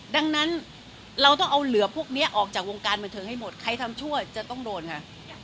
ดังนั้นเราต้องเอาเหลือพวกนี้ออกจากวงการบันเทิงให้หมดใครทำชั่วจะต้องโดนค่ะ